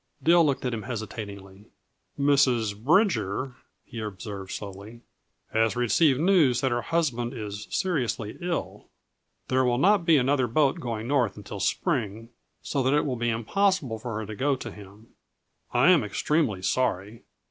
Dill looked at him hesitatingly. "Mrs. Bridger," he observed slowly, "has received news that her husband is seriously ill. There will not be another boat going north until spring, so that it will be impossible for her to go to him. I am extremely sorry."